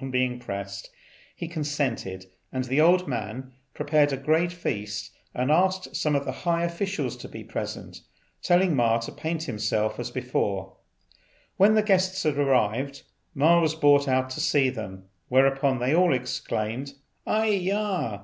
On being pressed he consented, and the old man prepared a great feast, and asked some of the high officials to be present, telling Ma to paint himself as before. When the guests had arrived, Ma was brought out to see them; whereupon they all exclaimed, "Ai yah!